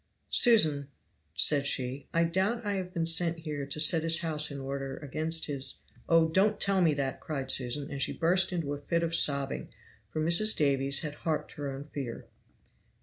"Susan," said she, "I doubt I have been sent here to set his house in order against his " "Oh! don't tell me that," cried Susan, and she burst into a fit of sobbing, for Mrs. Davies had harped her own fear.